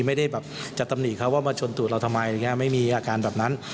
ไม่ได้แบบจะตำหนิเขาว่ามาชนตูดเราทำไมไม่มีอาการแบบนั้น